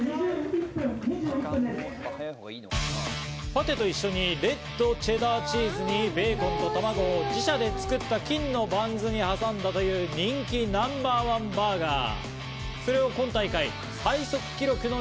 パテと一緒にレッドチェダーチーズにベーコンと卵を自社製のバンズに挟んだ人気ナンバーワンバーガー。